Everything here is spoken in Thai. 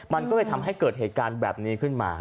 มันก็เลยทำให้เกิดเหตุการณ์แบบนี้ขึ้นมา